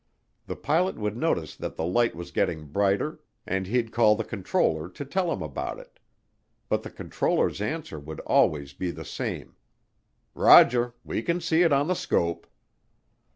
The pilot would notice that the light was getting brighter, and he'd call the controller to tell him about it. But the controller's answer would always be the same, "Roger, we can see it on the scope."